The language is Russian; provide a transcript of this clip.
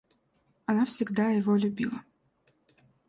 Она всегда его любила.